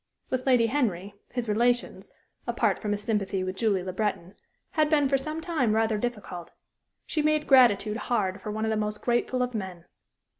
With Lady Henry, his relations, apart from his sympathy with Julie Le Breton, had been for some time rather difficult. She made gratitude hard for one of the most grateful of men.